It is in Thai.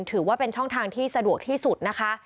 ถือว่าเป็นช่องทางที่สะดวกที่สุดนะคะ